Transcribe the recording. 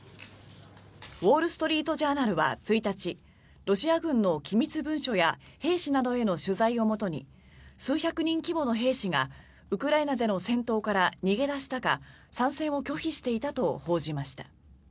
ウォール・ストリート・ジャーナルは１日ロシア軍の機密文書や兵士などへの取材をもとに数百人規模の兵士がウクライナでの戦闘から逃げ出したか参戦を拒否していたと報じました。